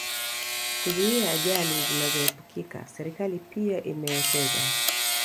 kuzuia ajali zinazoepukika Serikali pia imewekeza